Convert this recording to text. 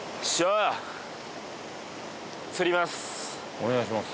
お願いします